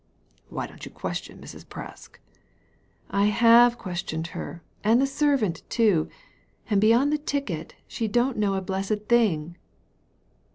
Why don't you question Mrs. Presk ?"^ I have questioned her, and the servant too ; and beyond the ticket, she don't know a blessed thing."